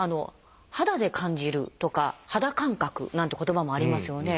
「肌で感じる」とか「肌感覚」なんて言葉もありますよね。